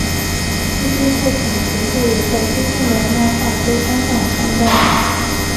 这些作品随后也在真正的漫画周刊上刊登。